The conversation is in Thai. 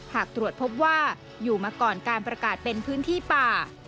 หากตรวจพบว่าอยู่มาก่อนการประกาศเป็นพื้นที่ป่า